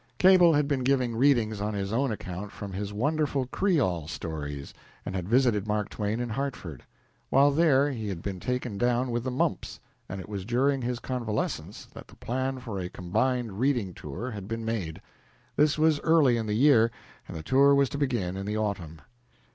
Cable had been giving readings on his own account from his wonderful Creole stories, and had visited Mark Twain in Hartford. While there he had been taken down with the mumps, and it was during his convalescence that the plan for a combined reading tour had been made. This was early in the year, and the tour was to begin in the autumn.